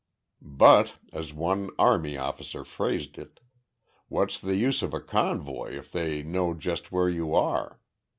"But," as one army officer phrased it, "what's the use of a convoy if they know just where you are?